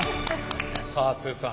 さあ剛さん。